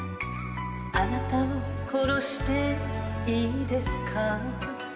「あなたを殺していいですか」